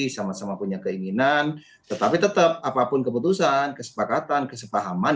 sama sama punya keinginan tetapi tetap apapun keputusan kesepakatan kesepahaman